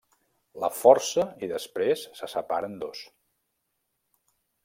La força i després se separa en dos.